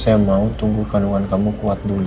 saya mau tunggu kandungan kamu kuat dulu